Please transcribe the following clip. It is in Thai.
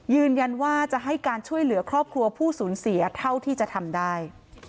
ยืนยันว่าจะให้การช่วยเหลือครอบครัวผู้สูญเสียเท่าที่จะทำได้